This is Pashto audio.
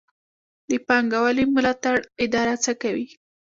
د پانګونې ملاتړ اداره څه کوي؟